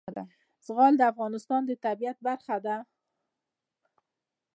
زغال د افغانستان د طبیعت برخه ده.